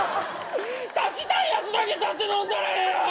立ちたいやつだけ立って飲んだらええやん！